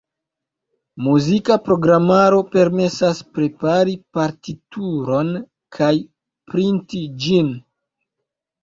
Muzika programaro permesas prepari partituron kaj printi ĝin.